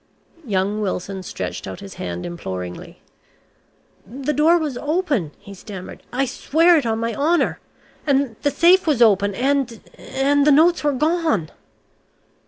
Young Wilson stretched out his hand imploringly. "The door was open," he stammered. "I swear it on my honour. And the safe was open, and and the notes were gone!"